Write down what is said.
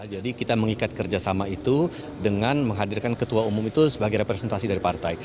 jadi kita mengikat kerjasama itu dengan menghadirkan ketua umum itu sebagai representasi dari partai